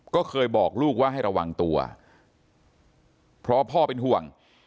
ก็เคยบอกลูกว่าให้ระวังตัวเพราะพ่อเป็นห่วง